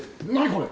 これ。